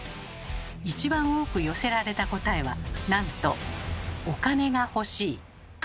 一番多く寄せられた答えはなんと「お金が欲しい」。